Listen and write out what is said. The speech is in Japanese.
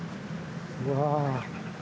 うわ。